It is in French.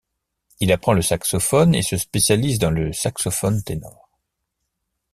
Il apprend le saxophone et se spécialise dans le saxophone ténor.